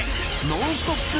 ノンストップ！